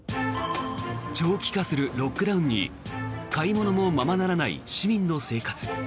長期化するロックダウンに買い物もままならない市民の生活。